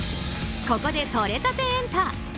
ここで、とれたてエンタ。